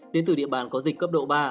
đến từ địa bàn có dịch cấp độ ba